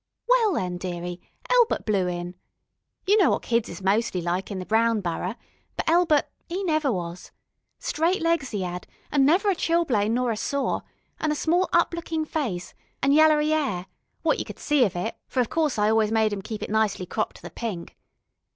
Well, then, dearie, Elbert blew in. You know what kids is mostly like in the Brown Borough, but Elbert 'e never was. Straight legs 'e 'ad, an' never a chilblain nor a sore, an' a small up lookin' face, an' yallery 'air what you could see of it, for of course I always made 'im keep it nicely cropped to the pink.